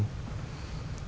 thứ hai là